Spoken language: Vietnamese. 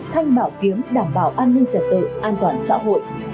thanh bảo kiếm đảm bảo an ninh trật tự an toàn xã hội